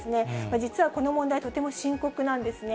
実はこの問題、とても深刻なんですね。